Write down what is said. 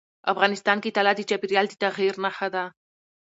افغانستان کې طلا د چاپېریال د تغیر نښه ده.